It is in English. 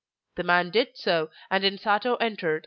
The man did so, and Insato entered.